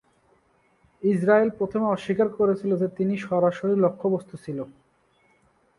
Israel প্রথমে অস্বীকার করেছিল যে তিনি সরাসরি লক্ষ্যবস্তু ছিল।